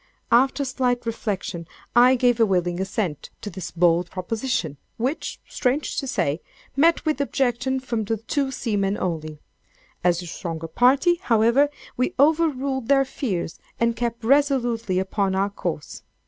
After slight reflection I gave a willing assent to this bold proposition, which (strange to say) met with objection from the two seamen only. As the stronger party, however, we overruled their fears, and kept resolutely upon our course.